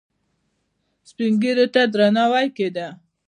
سپین ږیرو ته درناوی کیده